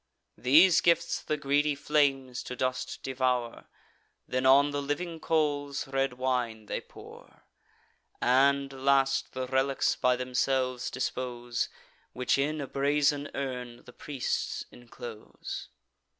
These gifts the greedy flames to dust devour; Then on the living coals red wine they pour; And, last, the relics by themselves dispose, Which in a brazen urn the priests inclose.